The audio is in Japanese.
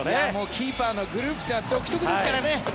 キーパーのグループは独特ですからね。